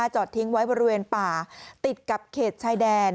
จอดทิ้งไว้บริเวณป่าติดกับเขตชายแดน